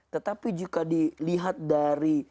tetapi jika dilihat dari